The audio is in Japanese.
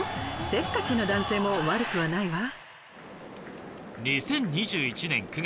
せっかちな男性も悪くはないわ。